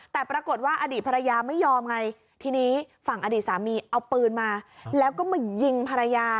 แต่ปรากฏว่าอดีตภรรยาไม่ยอมไงทีนี้ฝั่งอดีตสามีเอาปืนมาแล้วก็มายิงภรรยา